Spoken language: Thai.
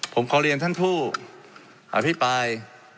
ผมขอเรียนท่านผู้อภิปราย